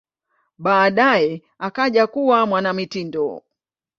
Baadaye akaja kuwa mwanamitindo.